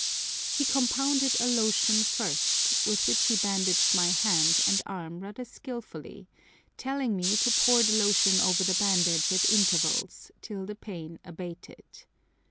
He compounded a lotion first, with which he bandaged my hand and arm rather skilfully, telling me to pour the lotion over the bandage at intervals till the pain abated.